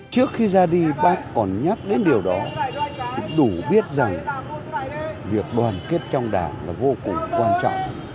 trước khi ra đi bác còn nhắc đến điều đó đủ biết rằng việc đoàn kết trong đảng là vô cùng quan trọng